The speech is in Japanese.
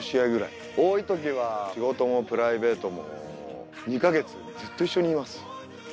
多い時は仕事もプライベートも２か月ずっと一緒にいます。